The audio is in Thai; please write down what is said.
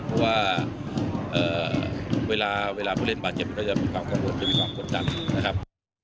เพราะว่าเวลาผู้เล่นบาดเจ็บก็จะมีความกังวลจะมีความกดดันนะครับ